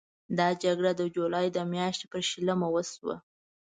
دا جګړه د جولای د میاشتې پر شلمه وشوه.